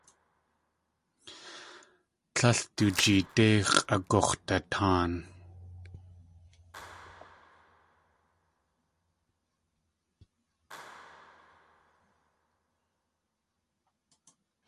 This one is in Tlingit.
Tlél du jeedé x̲ʼagux̲dataan.